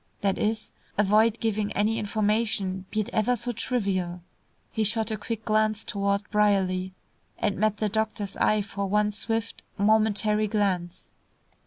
That is, avoid giving any information, be it ever so trivial." He shot a quick glance toward Brierly, and met the doctor's eye for one swift, momentary glance.